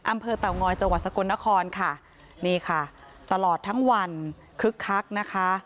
เตางอยจังหวัดสกลนครค่ะนี่ค่ะตลอดทั้งวันคึกคักนะคะ